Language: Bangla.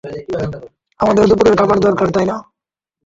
আমাদের দুপুরের খাবার দরকার, তাই না?